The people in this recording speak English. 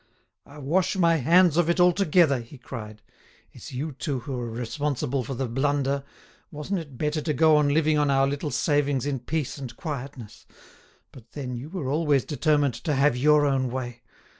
"I wash my hands of it altogether," he cried. "It's you two who are responsible for the blunder. Wasn't it better to go on living on our little savings in peace and quietness? But then, you were always determined to have your own way!